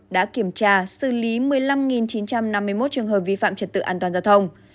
đã kiểm tra xử lý một mươi năm chín trăm năm mươi một trường hợp vi phạm trật tự an toàn giao thông